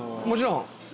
もちろん。